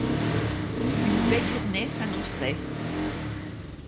Une belle journée s’annonçait.